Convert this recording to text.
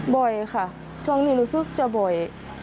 บ่อยค่ะช่วงนี้รู้สึกจะบ่อย